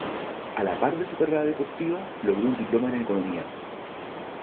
A la par de su carrera deportiva, logró un diploma en economía.